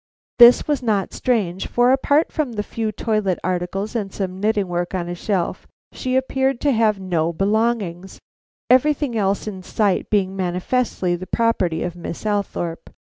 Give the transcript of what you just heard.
This was not strange; for, apart from a few toilet articles and some knitting work on a shelf, she appeared to have no belongings; everything else in sight being manifestly the property of Miss Althorpe.